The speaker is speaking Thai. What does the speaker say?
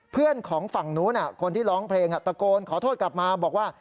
เพื่อนของฝั่งนู้นคนที่ร้องเพลงตะโกนขอโทษกลับมาบอกว่า